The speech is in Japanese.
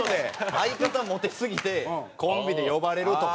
相方モテすぎてコンビで呼ばれるとか。